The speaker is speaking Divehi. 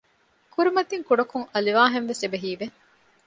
ކުރިމަތިން ކުޑަކޮށް އަލިވާހެންވެސް އެބަ ހީވެ